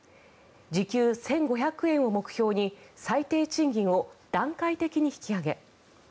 時給１５００円を目標に最低賃金を段階的に引き上げ。